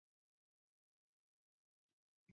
د اپنډکس سوزش اپنډیسایټس دی.